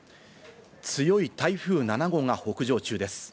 強い台風７号が北上中です。